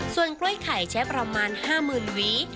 ส่วนกล้วยไข่ใช้ประมาณ๕๐๐๐หวี